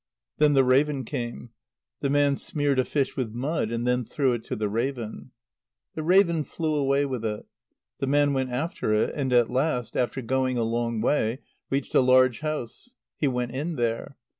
Then the raven came. The man smeared a fish with mud, and then threw it to the raven. The raven flew away with it. The man went after it, and at last, after going a long way, reached a large house. He went in there.